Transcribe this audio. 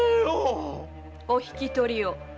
お引き取りを。